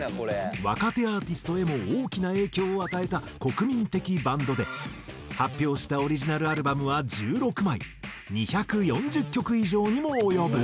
若手アーティストへも大きな影響を与えた国民的バンドで発表したオリジナルアルバムは１６枚２４０曲以上にも及ぶ。